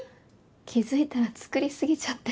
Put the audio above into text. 気づいたら作りすぎちゃって。